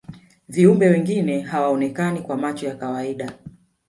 viumbe wengine hawaonekani kwa macho ya kawaida